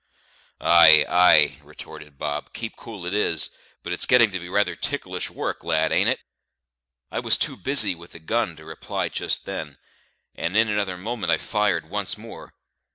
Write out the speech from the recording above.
"Ay, ay," retorted Bob, "keep cool it is; but it's getting to be rather ticklish work, lad, ain't it?" I was too busy with the gun to reply just then, and in another moment I fired once more.